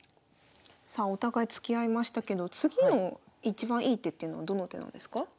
さあお互い突き合いましたけど次のいちばんいい手っていうのはどの手なんですか？